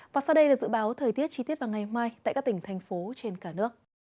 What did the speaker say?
và sau đây là dự báo thời tiết chi tiết vào ngày mai tại các tỉnh thành phố trên cả nước